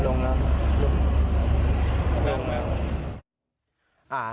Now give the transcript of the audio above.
ลงแล้ว